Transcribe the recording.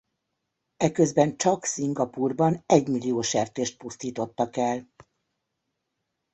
Eközben csak Szingapúrban egymillió sertést pusztítottak el.